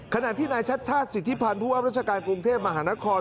ขณะที่นายชัดชาติสิทธิพันธ์ผู้ว่าราชการกรุงเทพมหานคร